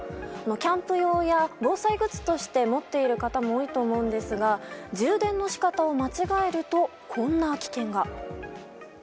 キャンプ用や防災グッズとして持っている方も多いと思うんですが充電の仕方を間違えるとこんな危険が。